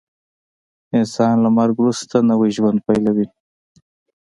انسان له مرګ وروسته نوی ژوند پیلوي